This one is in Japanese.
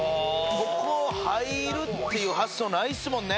ここを入るっていう発想ないっすもんね。